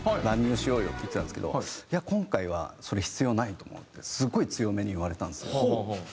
乱入しようよ」って言ってたんですけど「いや今回はそれ必要ないと思う」ってすごい強めに言われたんですよ。